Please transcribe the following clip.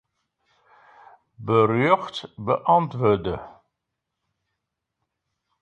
Berjocht beäntwurdzje.